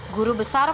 guru besar fakultas